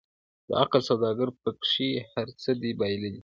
د عقل سوداګرو پکښي هر څه دي بایللي٫